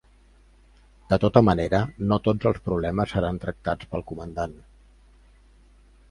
De tota manera, no tots els problemes seran tractats pel comandant.